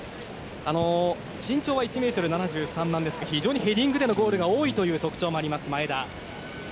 身長は１ｍ７３ですがヘディングでのゴールが非常に多いという特徴もあります、前田。